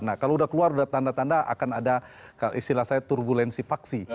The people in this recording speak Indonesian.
nah kalau sudah keluar udah tanda tanda akan ada istilah saya turbulensi faksi